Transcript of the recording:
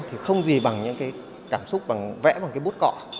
thì không gì bằng những cái cảm xúc vẽ bằng cái bút cọ